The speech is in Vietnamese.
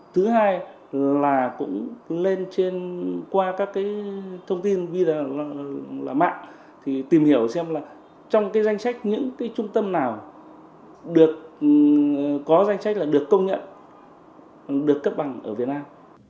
thứ hai là cũng lên qua các cái thông tin là mạng thì tìm hiểu xem là trong cái danh sách những cái trung tâm nào được có danh sách là được công nhận được cấp bằng ở việt nam